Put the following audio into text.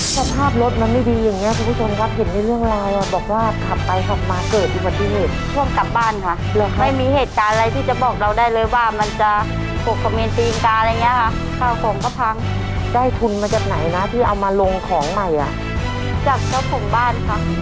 จากเจ้าของบ้านค่ะเท่าไหร่ประมาณสองเดือน